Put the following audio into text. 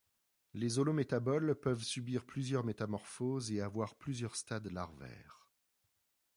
Les holométaboles peuvent subir plusieurs métamorphoses et avoir plusieurs stades larvaires.